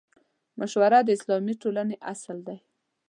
مشوره د اسلامي ټولنې اصل دی.